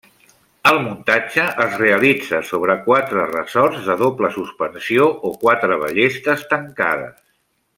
El muntatge es realitza sobre quatre ressorts de doble suspensió o quatre ballestes tancades.